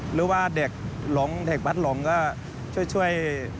หรือว่าเด็กหลงเด็กพัดหลงก็ช่วย